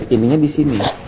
ininya di sini